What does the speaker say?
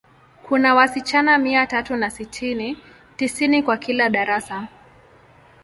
Kuna wasichana mia tatu na sitini, tisini kwa kila darasa.